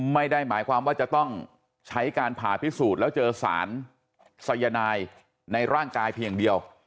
ไม่ได้หมายความว่าจะต้องใช้การผ่าพิสูจน์แล้วเจอสารสายนายในร่างกายเพียงเดียว